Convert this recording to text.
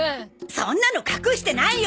そんなの隠してないよ！